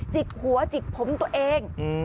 จิกหัวจิกผมตัวเอง